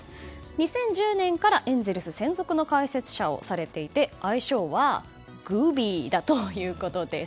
２０１０年からエンゼルス専属の解説者をされていて愛称はグビーだということです。